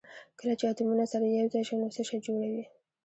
کله چې اتومونه سره یو ځای شي نو څه شی جوړوي